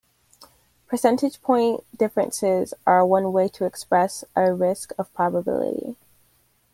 Percentage-point differences are one way to express a risk or probability.